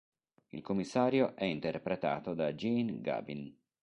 Il commissario è interpretato da Jean Gabin.